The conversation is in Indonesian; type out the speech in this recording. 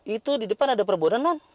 itu di depan ada perboden non